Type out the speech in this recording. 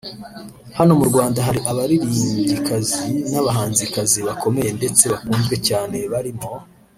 Hano mu Rwanda hari abaririmbyikazi n'abahanzikazi bakomeye ndetse bakunzwe cyane barimo